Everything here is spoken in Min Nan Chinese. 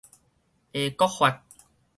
會閣發